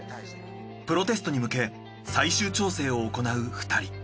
プロテストに向け最終調整を行う２人。